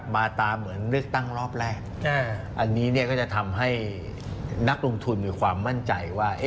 มาตามเหมือนเลือกตั้งรอบแรกอันนี้เนี่ยก็จะทำให้นักลงทุนมีความมั่นใจว่า